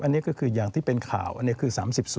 อันนี้ก็คืออย่างที่เป็นข่าวอันนี้คือ๓๐